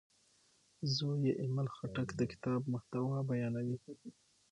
زوی یې ایمل خټک د کتاب محتوا بیانوي.